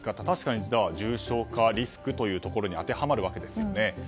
確かに重症化リスクというところに当てはまるわけですよね。